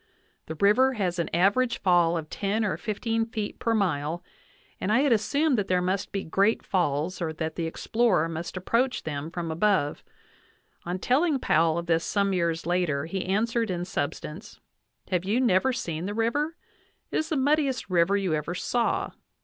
... The river has an average fall of. ten or fifteen feet per mile, and I had assumed that there must be great falls, and that the explorer must approach them from above. On telling Powell of this some years later, he an swered in substance : "Have you never seen the river ? It' is the muddiest river you ever saw.